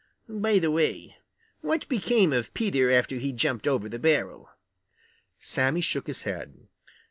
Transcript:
By the way, what became of Peter after he jumped over the barrel?" Sammy shook his head.